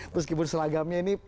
meskipun selagamnya ini